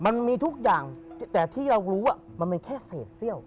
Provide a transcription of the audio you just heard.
มันมีทุกอย่างแต่ที่เรารู้มันเป็นแค่เศษเซี่ยว